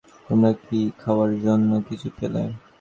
তোমরা কি খাওয়ার জন্য কিছু পেলে?